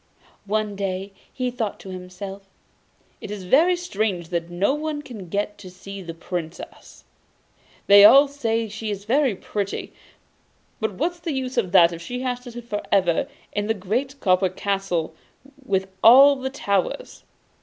One day he thought to himself: 'It is very strange that no one can get to see the Princess. They all say she is very pretty, but what's the use of that if she has to sit for ever in the great copper castle with all the towers?